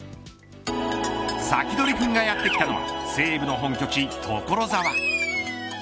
サキドリくんがやって来たのは西武の本拠地、所沢。